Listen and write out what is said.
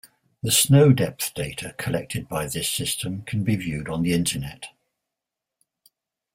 The snow depth data collected by this system can be viewed on the Internet.